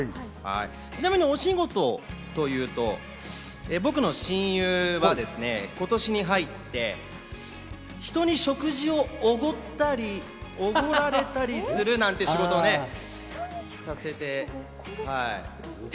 ちなみにお仕事というと僕の親友はですね、今年に入って人に食事をおごったり、おごられたりするなんていう仕事をね、させてはい。